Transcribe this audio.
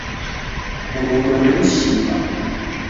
Kurudwa ni mshipa